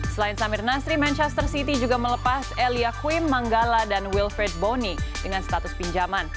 selain samirnasri manchester city juga melepas elia kwim manggala dan wilfred boni dengan status pinjaman